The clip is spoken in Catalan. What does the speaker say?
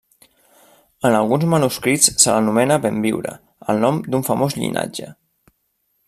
En alguns manuscrits se l'anomena Benviure, el nom d'un famós llinatge.